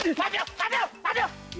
aduh aduh aduh aduh